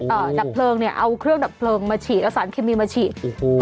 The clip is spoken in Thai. ดับเพลิงเนี่ยเอาเครื่องดับเพลิงมาฉีดเอาสารเคมีมาฉีดโอ้โห